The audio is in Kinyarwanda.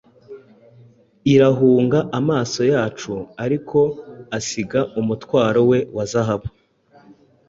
irahunga amaso yacu; ariko asiga umutwaro we wa zahabu.